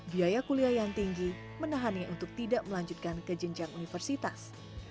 biaya kuliah yang tinggi menahannya untuk tidak melanjutkan ke jenjang universitas